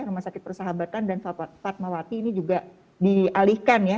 rumah sakit persahabatan dan fatmawati ini juga dialihkan ya